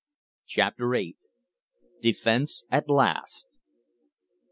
CHAPTER VIII. DEFENCE AT LAST.